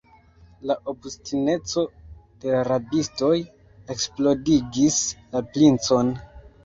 La obstineco de la rabistoj eksplodigis la princon.